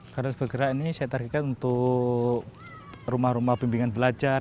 kardus bergerak ini saya targetkan untuk rumah rumah pembimbingan belajar